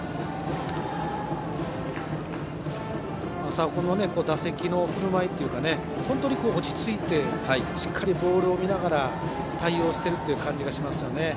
朝生君の打席でのふるまいというか本当に落ち着いてしっかりボールを見ながら対応している感じがしますね。